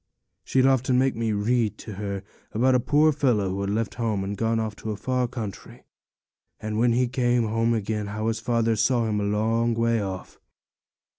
She'd often make me read to her about a poor fellow who had left home and gone to a far country, and when he came home again, how his father saw him a long way off.